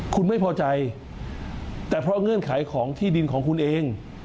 คุณไม่พอใจแต่เพราะเงื่อนไขของที่ดินของคุณเอง